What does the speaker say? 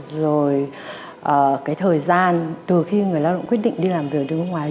rồi cái thời gian từ khi người lao động quyết định đi làm việc ở nước ngoài